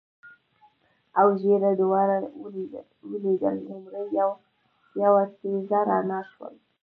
او ژېړه دوړه ولیدل، لومړی یوه تېزه رڼا شول.